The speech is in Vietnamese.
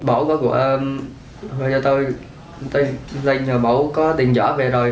bảo có tiền giả về rồi